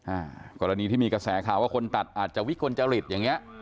อ่ากรณีที่มีกระแสข่าวว่าคนตัดอาจจะวิกลจริตอย่างเงี้